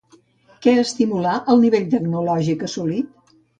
Què estimulà el nivell tecnològic assolit?